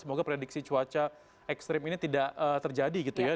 semoga prediksi cuaca ekstrim ini tidak terjadi gitu ya